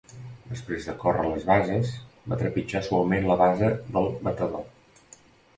Després de córrer les bases, va trepitjar suaument la base del batedor.